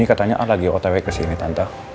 ini katanya al lagi otw kesini tante